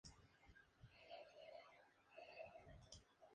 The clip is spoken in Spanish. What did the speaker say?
El fruto es una cápsula con cinco lóbulos y numerosas semillas.